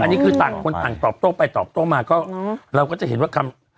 อันนี้คือต่างคนต่างตอบโต้ไปตอบโต้มาก็เราก็จะเห็นว่าคำ